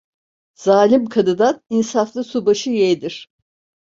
Zalim kadıdan insaflı subaşı yeğdir.